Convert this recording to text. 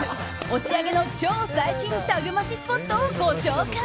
押上の超最新タグマチスポットをご紹介。